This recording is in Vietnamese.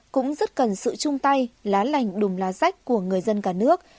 cũng rất cần sự chung tay lá lành đùm lá rách của người dân cả nước